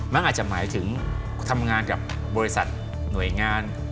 มันอาจจะหมายถึงทำงานกับบริษัทหน่วยงาน